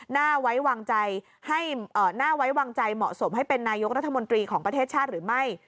น่าไว้วางใจเหมาะสมให้เป็นนายกรัฐมนตรีของประเทศชาติหรือไม่